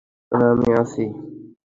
সোনা, আমি আছি!